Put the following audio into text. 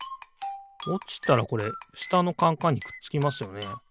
おちたらこれしたのカンカンにくっつきますよね。